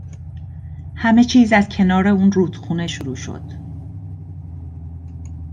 همه چیز از کنار اون رودخونه شروع شد